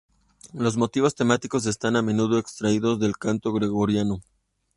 Los motivos temáticos están a menudo extraídos del canto gregoriano.